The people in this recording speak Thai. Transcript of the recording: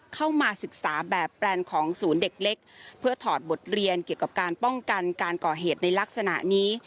เข้ามาศึกษาแบบแปลนของศูนย์เด็กเล็กเพื่อถอดบทเรียนเกี่ยวกับการป้องกันการก่อเหตุในลักษณะนี้